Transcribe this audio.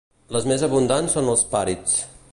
Les més abundants són els Pàrids.